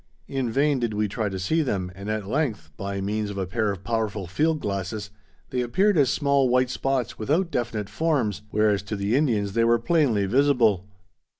In vain did we try to see them, and at length, by means of a pair of powerful field glasses, they appeared as small white spots without definite forms, whereas to the Indians they were plainly visible.